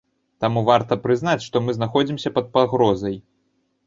Таму варта прызнаць, што мы знаходзімся пад пагрозай.